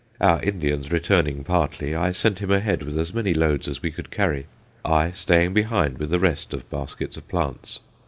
Our Indians returning partly, I sent him ahead with as many loads as we could carry, I staying behind with the rest of baskets of plants.